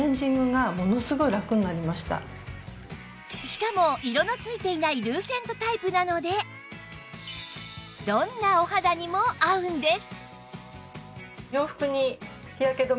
しかも色のついていないルーセントタイプなのでどんなお肌にも合うんです